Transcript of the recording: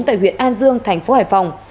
tại huyện an dương thành phố hải phòng